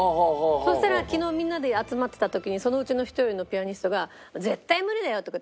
そしたら昨日みんなで集まってた時にそのうちの１人のピアニストが「絶対無理だよ」とか言って。